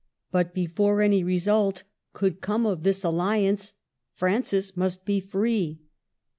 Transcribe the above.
But before any result could come of this alli ance Francis must be free.